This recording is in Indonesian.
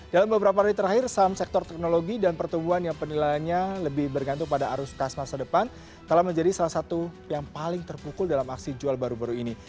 dalam beberapa hari terakhir saham sektor teknologi dan pertumbuhan yang penilaiannya lebih bergantung pada arus kas masa depan telah menjadi salah satu yang paling terpukul dalam aksi jual baru baru ini